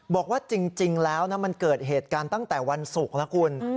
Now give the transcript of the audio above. บอกว่าจริงแล้วมันเกิดเหตุการณ์ตั้งแต่วันศุกร์แล้วคุณ